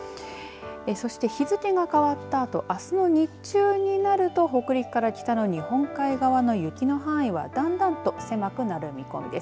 そして日付が変わったあとあすの日中になると北陸から北の日本海側の雪の範囲はだんだんと狭くなる見込みです。